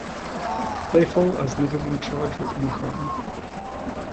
Flaifel has never been charged with any crime.